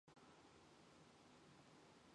Тэгээд цааш нь юу байв?